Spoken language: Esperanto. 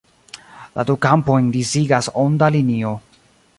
La du kampojn disigas onda linio.